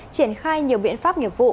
triển khai nhiều biện pháp nghiệp vụ